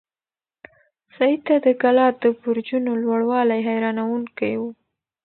سعید ته د کلا د برجونو لوړوالی حیرانونکی و.